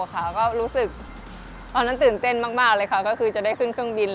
ก็รู้สึกตอนนั้นตื่นเต้นมากเลยค่ะก็คือจะได้ขึ้นเครื่องบิน